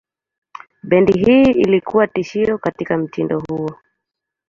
Bendi hii ilikuwa tishio katika mtindo huo.